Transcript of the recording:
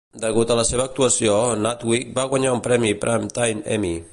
Degut a la seva actuació, Natwick va guanyar un Premi Primetime Emmy.